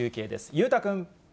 裕太君。